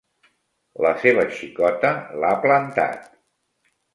La seva xicota l'ha plantat.